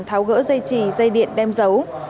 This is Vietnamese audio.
tồn tháo gỡ dây chỉ dây điện đem giấu